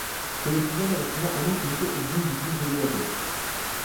Seyirciler arasında onun ince uzun yüzünü görüyordum.